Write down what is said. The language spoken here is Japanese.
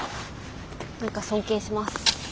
何か尊敬します。